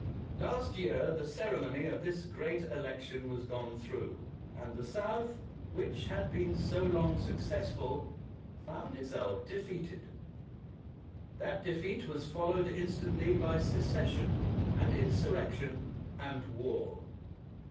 Last year the ceremony of this great election was gone through, and the South, which had been 247 THE WORLD'S FAMOUS ORATIONS so long successful, found itself defeated. That defeat was followed instantly by secession, and insurrection, and war.